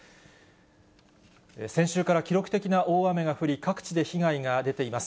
先週から記録的な大雨が降り、各地で被害が出ています。